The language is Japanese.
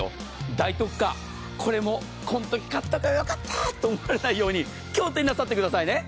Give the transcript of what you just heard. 大特価、これも、このとき買っておけばよかったと思わないように、今日手になさってくださいね。